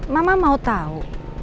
mama mau tahu